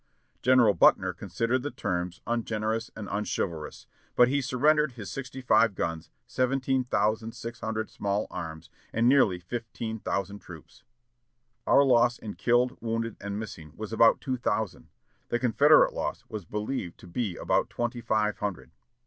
General Buckner considered the terms "ungenerous and unchivalrous," but he surrendered his sixty five guns, seventeen thousand six hundred small arms, and nearly fifteen thousand troops. Our loss in killed, wounded, and missing was about two thousand; the Confederate loss was believed to be about twenty five hundred.